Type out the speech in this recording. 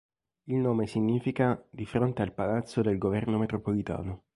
Il nome significa "Di fronte al Palazzo del Governo Metropolitano".